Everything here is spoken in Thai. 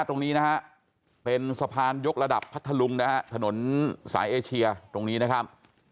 ตรงนี้นะฮะเป็นสะพานยกระดับพัทธลุงนะฮะถนนสายเอเชียตรงนี้นะครับ